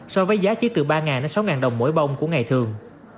so với giá trí từ ba sáu đồng mỗi bông của ngày thường